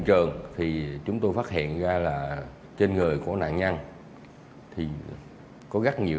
rồi nhánh amazing ghi